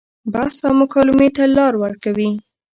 بحث او مکالمې ته لار ورکوي.